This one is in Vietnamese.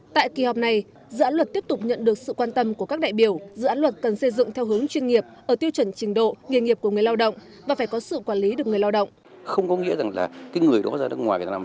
tại kỳ họp này dự án luật tiếp tục nhận được sự quan tâm của các đại biểu dự án luật cần xây dựng theo hướng chuyên nghiệp ở tiêu chuẩn trình độ nghề nghiệp của người lao động và phải có sự quản lý được người lao động